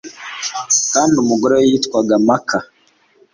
kandi umugore we yitwaga Maka